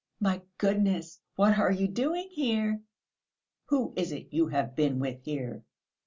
My goodness! What are you doing here?" "Who is it you have been with here?"